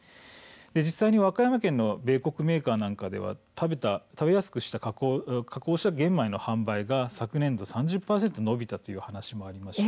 実際に和歌山県の米穀メーカーでは食べやすく加工した玄米の販売が昨年度３０％伸びたという話もあります。